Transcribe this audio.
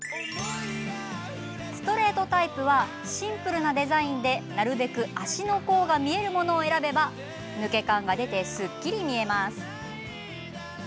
ストレートタイプはシンプルなデザインで、なるべく足の甲が見えるものを選べば抜け感が出て、すっきり見えます。